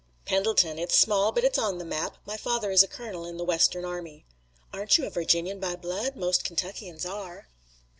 "Pendleton. It's small but it's on the map. My father is a colonel in the Western army." "Aren't you a Virginian by blood? Most all Kentuckians are."